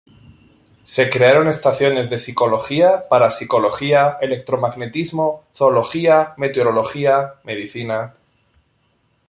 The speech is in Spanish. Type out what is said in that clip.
Se crearon estaciones de psicología, parapsicología, electromagnetismo, zoología, meteorología, medicina.